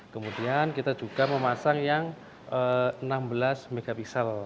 kemudian kita juga memasang yang enam belas mp